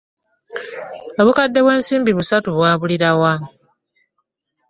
Obukadde bw'ensimbi busatu bwabulira wa?